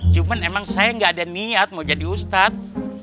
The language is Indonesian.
cuman emang saya gak ada niat mau jadi ustadz